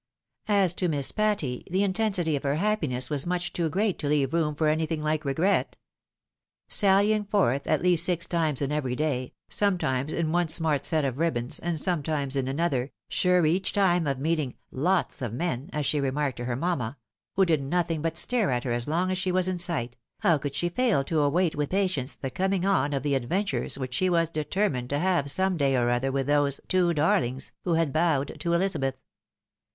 As to Miss Patty, the intensity of her happiness was much too great to leave room for anything hke regret. Sallying forth at least six times in every day, sometimes in one smart set of ribbons, and sometimes in another, saie each time of meeting " lots of men,^' as she remarked to her mamma, " who did nothing but stare at her as long as she was in sight," how could she fail to await with patience the coming on of the adventmres which she was determined to have some day or other with those " two darlings" who had bowed to Elizabeth?